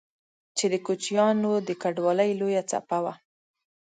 چې د کوچيانو د کډوالۍ لويه څپه وه